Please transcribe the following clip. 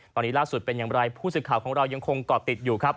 ตอนนี้ล่าสุดเป็นอย่างไรผู้สื่อข่าวของเรายังคงเกาะติดอยู่ครับ